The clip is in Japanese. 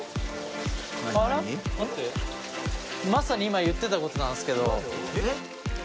まさに今言ってたことなんすけど。